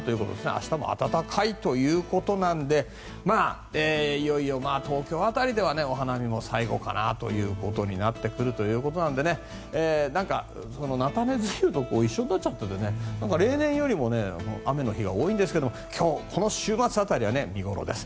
明日も暖かいということなのでいよいよ、東京辺りではお花見も最後かなとなってくるということなので菜種梅雨と一緒になっちゃって例年よりも雨の日が多いんですが今日、この週末辺りは見頃です。